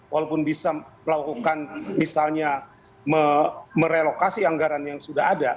walaupun bisa melakukan misalnya merelokasi anggaran yang sudah ada